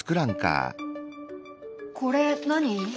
これ何？